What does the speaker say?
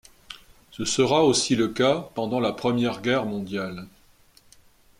Ce sera aussi le cas pendant la Première Guerre mondiale.